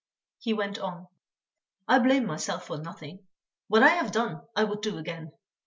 He went on: "I blame myself for nothing. What I have done, I would do again.